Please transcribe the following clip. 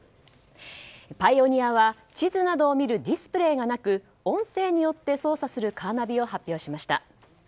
パイオニアは地図などを見るディスプレーがなく音声によって操作するカーナビを発表しました。